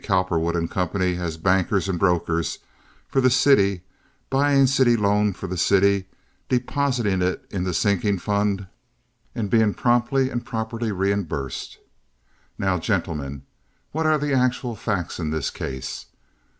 Cowperwood & Company as bankers and brokers for the city buying city loan for the city, depositing it in the sinking fund, and being promptly and properly reimbursed. Now, gentlemen, what are the actual facts in this case?